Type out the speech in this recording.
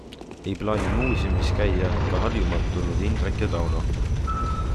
Ei plaani muuseumis käia ka Harjumaalt tulnud Indrek ja Tauno.